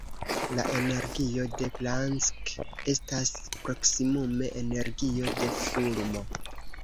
La energio de Planck estas proksimume energio de fulmo.